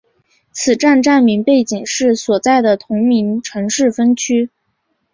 此站站名背景是所在的同名城市分区。